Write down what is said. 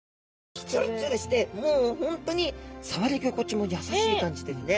ツルツルしてもう本当に触り心地も優しい感じですね。